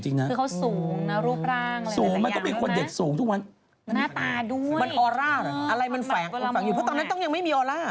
เพราะตอนนั้นต้องยังไม่มีออร่า